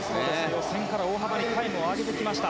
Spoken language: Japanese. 予選から大幅にタイムを上げてきました。